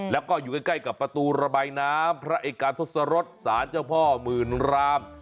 แล้วก็อยู่ใกล้กับประตูระบายน้ำพระเอกาทศรษศาลเจ้าพ่อหมื่นราม